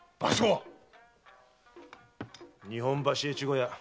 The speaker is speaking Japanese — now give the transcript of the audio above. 日本橋越後屋。